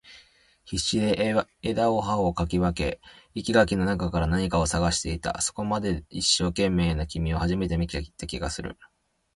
必死で枝を葉を掻き分け、生垣の中から何かを探していた。そこまで一生懸命な君は初めて見た気がする。